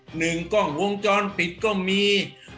หนึ่งกล้องวงจรปิดก็มี